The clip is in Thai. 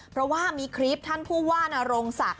เพราะว่ามีคลิปท่านผู้ว่านโรงศักดิ